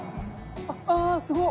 ああすごっ。